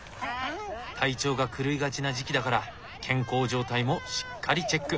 体調が狂いがちな時期だから健康状態もしっかりチェック。